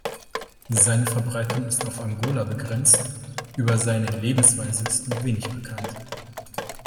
Seine Verbreitung ist auf Angola begrenzt, über seine Lebensweise ist nur wenig bekannt.